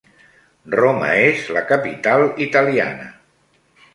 Roma és la capital italiana.